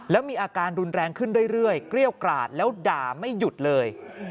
แล้วมีอาการรุนแรงขึ้นเรื่อยเกรี้ยวกราดแล้วด่าไม่หยุดเลย